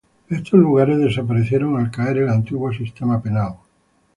Estos lugares desaparecieron al caer el antiguo sistema penal.